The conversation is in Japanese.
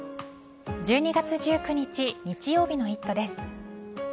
１２月１９日日曜日の「イット！」です。